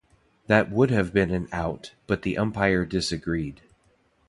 That would have been an out but the umpire disagreed.